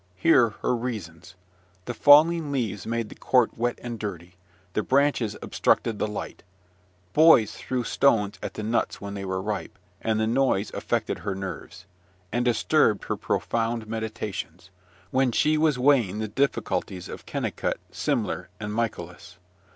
Hear her reasons. The falling leaves made the court wet and dirty; the branches obstructed the light; boys threw stones at the nuts when they were ripe, and the noise affected her nerves; and disturbed her profound meditations, when she was weighing the difficulties of Kennicot, Semler, and Michaelis.